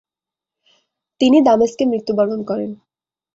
তিনি দামেস্কে মৃত্যুবরণ করেন।